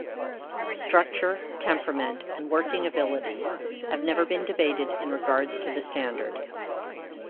Structure, temperament and working ability have never been debated in regards to the standard.